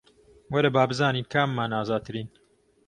وەرە با بزانین کاممان ئازاترین